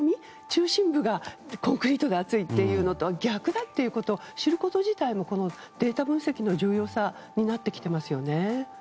中心部はコンクリートで暑いというのは逆だというのを知ること自体もデータ分析の重要さになってきていますね。